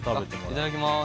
いただきます。